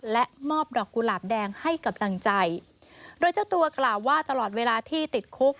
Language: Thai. และมอบดอกกุหลาบแดงให้กำลังใจโดยเจ้าตัวกล่าวว่าตลอดเวลาที่ติดคุก